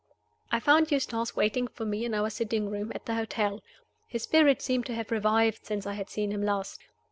I found Eustace waiting for me in our sitting room at the hotel. His spirits seemed to have revived since I had seen him last.